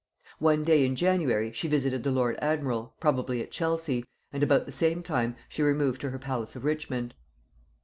One day in January she visited the lord admiral, probably at Chelsea, and about the same time she removed to her palace of Richmond.